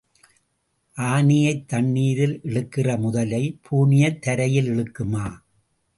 ஆனையைத் தண்ணீரில் இழுக்கிற முதலை பூனையைத் தரையில் இழுக்குமா?